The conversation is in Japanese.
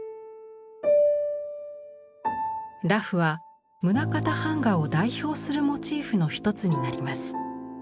裸婦は棟方板画を代表するモチーフの一つになります。